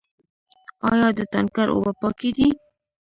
آیا د تانکر اوبه پاکې دي؟